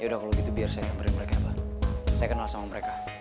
ya udah kalo gitu biar saya samperin mereka abah saya kenal sama mereka